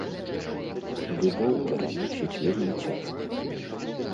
Любоў пераносіць вельмі цяжка.